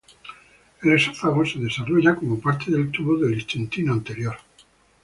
El esófago se desarrolla como parte del tubo de intestino anterior.